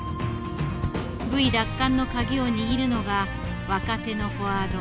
Ｖ奪還の鍵を握るのが若手のフォワード